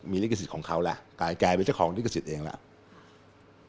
มีลิขสิทธิ์ของเขาแล้วกลายเป็นเจ้าของลิขสิทธิ์เองแล้ว